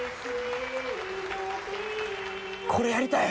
これやりたい！